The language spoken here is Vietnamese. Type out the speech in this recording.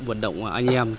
vận động anh em